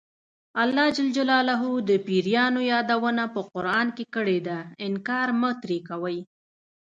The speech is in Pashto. الله ج د پیریانو یادونه په قران کې کړې ده انکار مه ترې کوئ.